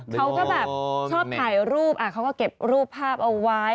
เขาก็แบบชอบถ่ายรูปเขาก็เก็บรูปภาพเอาไว้